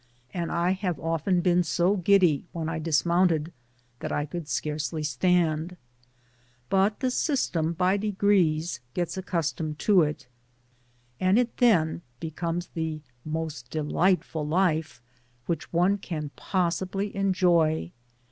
51 and I have often been so giddy when I dismounted that I could scarcely stand; but the system, by de grees, gets accustomed to it, and it then becomes the most delightful life which one can possibly enjoy.